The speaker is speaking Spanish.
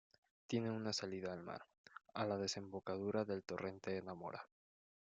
Tiene una salida al mar, a la desembocadura del torrente de Na Mora.